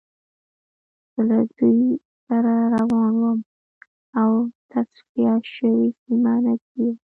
زه له دوی سره روان وم او تصفیه شوې سیمه نږدې وه